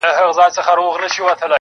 • لکه ماسوم بې موره.